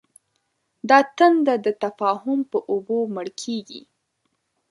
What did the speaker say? دا تنده د تفاهم په اوبو مړ کېږي.